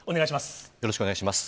よろしくお願いします。